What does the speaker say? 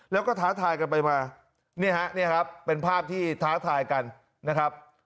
แล้วก็ท้าทายกันไปมาเนี่ยฮะเนี่ยครับเป็นภาพที่ท้าทายกันนะครับ